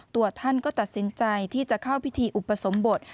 ตัวท่านก็ตัดสินใจที่จะเข้าพิธีอุปสมบท